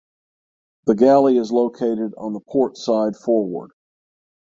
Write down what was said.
The galley is located on the port side forward.